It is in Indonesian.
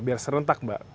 biar serentak mbak